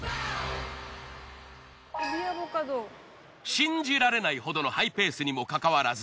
信じられないほどのハイペースにもかかわらず。